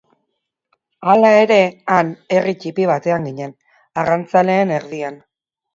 Hala ere, han herri ttipi batean ginen, arrantzaleen erdian.